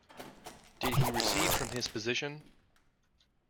Did he recede from his position?